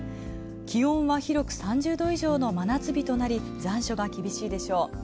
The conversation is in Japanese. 気温は広く３０度以上で真夏日となり残暑が厳しいでしょう。